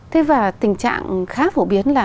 thế và tình trạng khá phổ biến là